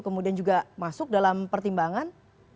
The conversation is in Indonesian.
kemudian juga masuk dalam pertimbangan